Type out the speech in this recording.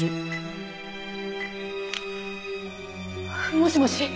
もしもし？